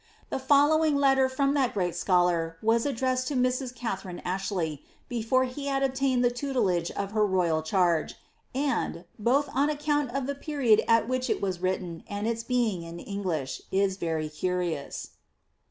The following letter from that great scholar was addressed to Mrs. Katharine Ashlev, before he had obtained the tutelage of her royal charge, and, both on account of the period at which it was written and its being in English, it is very curious.